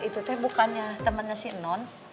itu teh bukannya temennya si non